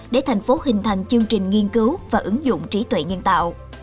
để thành phố hình thành chương trình nghiên cứu và ứng dụng trí tuệ nhân tạo